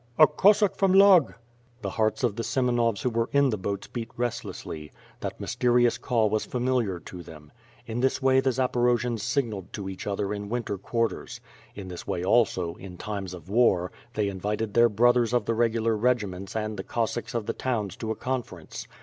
"A Cossack from Lug!" The hearts of the Semenovs who were in the boats beat restlessly. I^hat mysterious call was familiar to them. In this way the Zaporojians signalled to each other in winter WITH FIRE A\D iiWORD. J65 quarters. In this way also, in times of war, they invited their brothers of the regular regiments and the Cossacks of the towns to a conference.